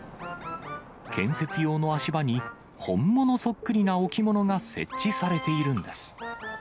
建設用の足場に、本物そっくりな置物が設置されているんです。